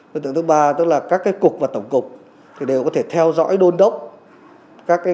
đối tượng thứ ba tức là các cục và tổng cục đều có thể theo dõi đôn đốc các